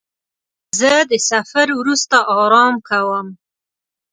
زه د سفر وروسته آرام کوم.